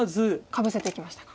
かぶせていきましたか。